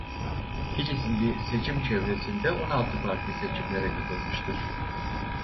Kilis ili seçim çevresinde on altı Parti seçimlere katılmıştır.